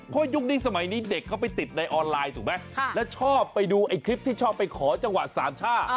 เพราะยุคนี้สมัยนี้เด็กเขาไปติดในออนไลน์ถูกไหมแล้วชอบไปดูไอ้คลิปที่ชอบไปขอจังหวะสามช่า